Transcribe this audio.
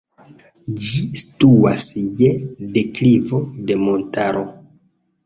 Ĝi situas je deklivo de montaro.